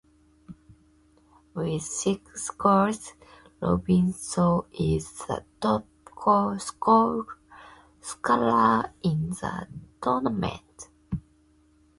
With six goals, Robinho is the top scorer in the tournament.